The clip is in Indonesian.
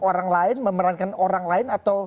orang lain memerankan orang lain atau